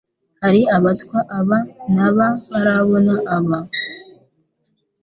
hari abatwa aba n'aba barabona aba